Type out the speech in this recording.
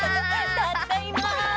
たっだいま！